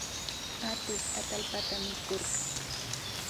Atuk atallpata mikurka